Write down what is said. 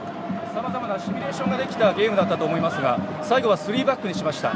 さまざまなシミュレーションができたゲームだったと思いますが最後はスリーバックにしました。